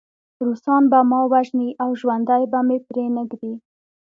روسان به ما وژني او ژوندی به مې پرېنږدي